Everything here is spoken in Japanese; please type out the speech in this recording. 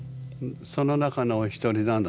その中のお一人なのね。